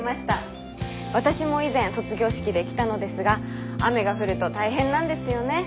私も以前卒業式で着たのですが雨が降ると大変なんですよね。